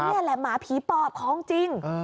นี่แหละหมาผีปอบของจริง